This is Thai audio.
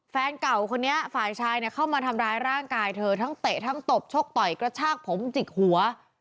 แฟนเก่าคนนี้ฝ่ายชายเนี่ยเข้ามาทำร้ายร่างกายเธอทั้งเตะทั้งตบชกต่อยกระชากผมจิกหัว